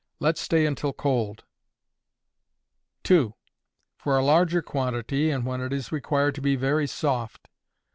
Let stay until cold. 2. For a larger quantity, and when it is required to be very "soft."